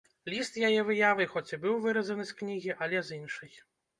Ліст з яе выявай хоць і быў выразаны з кнігі, але з іншай.